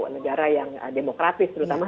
negara yang demokratis terutama